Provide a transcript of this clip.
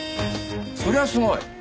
そりゃすごい。